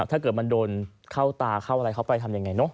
ถ้าเกิดมันโดนเข้าตาเข้าอะไรเขาไปทำยังไงเนอะ